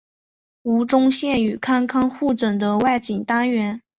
吴宗宪与康康互整的外景单元。